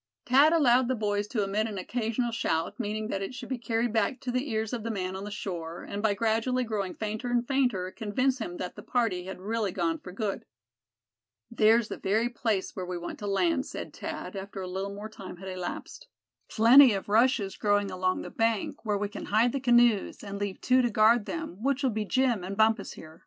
Thad allowed the boys to emit an occasional shout, meaning that it should be carried back to the ears of the man on the shore, and by gradually growing fainter and fainter, convince him that the party had really gone for good. "There's the very place where we want to land," said Thad, after a little more time had elapsed. "Plenty of rushes growing along the bank, where we can hide the canoes, and leave two to guard them, which will be Jim, and Bumpus here.